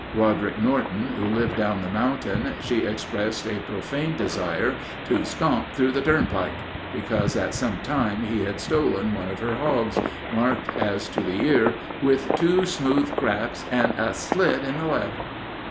Roderic Norton, who lived down the mountain, she expressed a profane desire to "stomp through the turnpike" because at some time he had stolen one of her hogs, marked, as to the ear, with "two smooth craps an' a slit in the left."